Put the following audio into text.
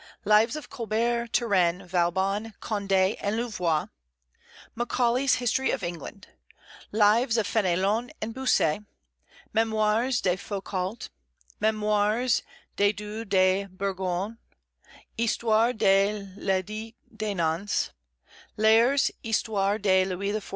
Lives of Colbert, Turenne, Vauban, Condé, and Louvois; Macaulay's History of England; Lives of Fénelon and Bossuet; Mémoires de Foucault; Mémoires du Due de Bourgogne; Histoire de l'Edit de Nantes; Laire's Histoire de Louis XIV.